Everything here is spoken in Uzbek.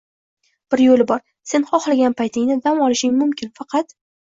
— bir yo‘li bor: sen xohlagan paytingda dam olishing mumkin, faqat...